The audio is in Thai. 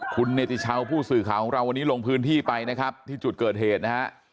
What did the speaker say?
คุณเนติชาวผู้สื่อข่าวของเราวันนี้ลงพื้นที่ไปนะครับที่จุดเกิดเหตุนะฮะ